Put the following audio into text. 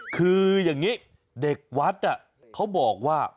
คืออย่างนี้เด็กวัดเขาบอกว่า